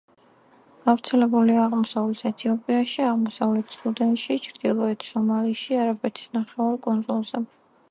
გავრცელებულია აღმოსავლეთ ეთიოპიაში, აღმოსავლეთ სუდანში, ჩრდილოეთ სომალიში, არაბეთის ნახევარკუნძულზე.